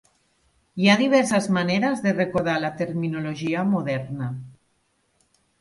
Hi ha diverses maneres de recordar la terminologia moderna.